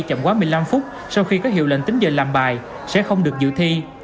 chậm quá một mươi năm phút sau khi có hiệu lệnh tính giờ làm bài sẽ không được dự thi